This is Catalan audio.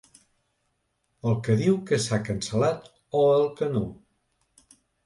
El que diu que s'ha cancel·lat o el que no?